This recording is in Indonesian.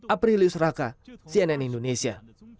aprilius raka cnn indonesia